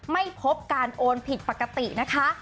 ไม่พบการโอนผิดปกตินะคะ